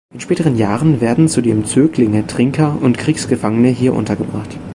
In späteren Jahren werden zudem Zöglinge, Trinker und Kriegsgefangene hier untergebracht.